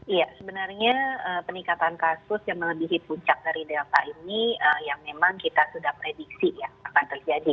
iya sebenarnya peningkatan kasus yang melebihi puncak dari delta ini yang memang kita sudah prediksi ya akan terjadi